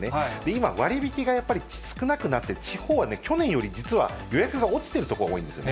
今、割引が少なくなって、地方は去年より実は予約が落ちている所が多いんです。